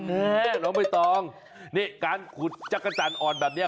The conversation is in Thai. แม่น้องใบตองนี่การขุดจักรจันทร์อ่อนแบบนี้